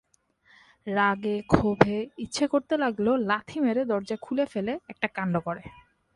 রাগে ক্ষোভে ইচ্ছে করতে লাগল লাথি মেরে দরজা খুলে ফেলে একটা কাণ্ড করে।